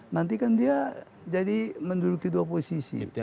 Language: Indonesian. nanti kan dia jadi menduduki dua posisi